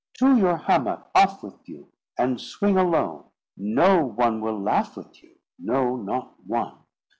"To your hammock—off with you!" "And swing alone." "No one will laugh with you." "No, not one."